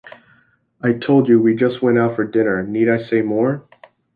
I told you we just went out for dinner, need I say more?